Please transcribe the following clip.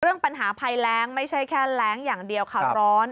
เรื่องปัญหาภัยแรงไม่ใช่แค่แรงอย่างเดียวค่ะร้อน